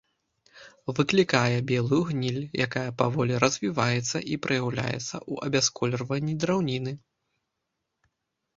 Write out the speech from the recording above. Выклікае белую гніль, якая паволі развіваецца і праяўляецца ў абясколерванні драўніны.